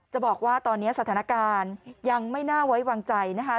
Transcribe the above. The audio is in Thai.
บอกว่าตอนนี้สถานการณ์ยังไม่น่าไว้วางใจนะคะ